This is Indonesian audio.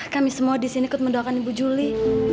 kami semua disini ikut mendoakan ibu juli